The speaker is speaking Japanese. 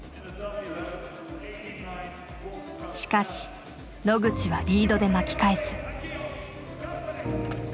しかし野口はリードで巻き返す。